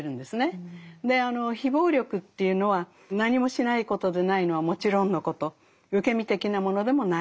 であの非暴力というのは何もしないことでないのはもちろんのこと受け身的なものでもない。